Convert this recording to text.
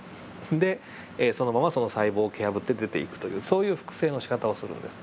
でそのままその細胞を蹴破って出ていくというそういう複製のしかたをするんです。